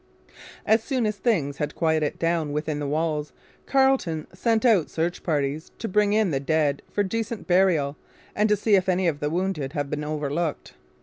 As soon as things had quieted down within the walls Carleton sent out search parties to bring in the dead for decent burial and to see if any of the wounded had been overlooked.